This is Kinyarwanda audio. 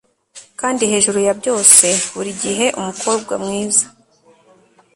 kandi hejuru ya byose burigihe umukobwa mwiza